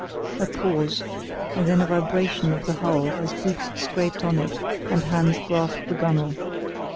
A pause, and then a vibration of the hull as boots scraped on it and hands grasped the gunwale.